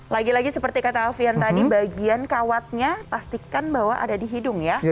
lagi lagi seperti kata alfian tadi bagian kawatnya pastikan bahwa ada di hidung ya